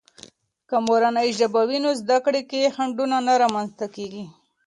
که مورنۍ ژبه وي، نو زده کړې کې خنډونه نه رامنځته کېږي.